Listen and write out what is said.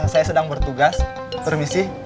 saya sedang bertugas permisi